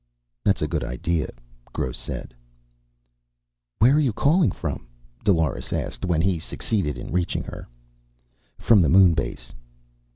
"That's a good idea," Gross said. "Where are you calling from?" Dolores asked, when he succeeded in reaching her. "From the moon base."